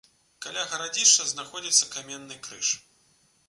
Каля гарадзішча знаходзіцца каменны крыж.